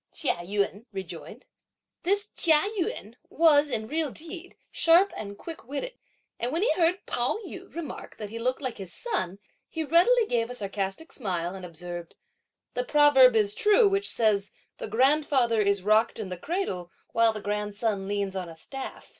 Chia Yün rejoined. This Chia Yün was, in real deed, sharp and quick witted; and when he heard Pao yü remark that he looked like his son, he readily gave a sarcastic smile and observed, "The proverb is true which says, 'the grandfather is rocked in the cradle while the grandson leans on a staff.'